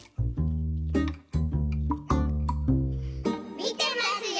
・みてますよ！